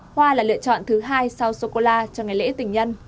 hoa là lựa chọn thứ hai sau sô cô la cho ngày lễ tình nhân